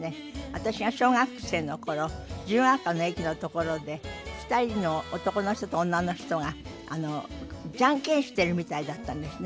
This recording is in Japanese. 私が小学生の頃自由が丘の駅のところで２人の男の人と女の人がジャンケンしているみたいだったんですね。